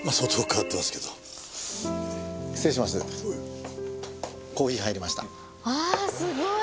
わあすごい！